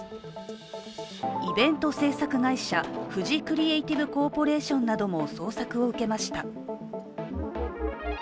イベント制作会社、フジクリエイティブコーポレーションなども捜索を受けました。